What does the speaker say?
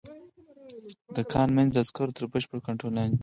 د کان منځ د عسکرو تر بشپړ کنترول لاندې و